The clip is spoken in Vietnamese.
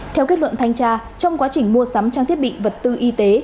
theo kết luận thanh tra trong quá trình mua sắm trang thiết bị vật tư y tế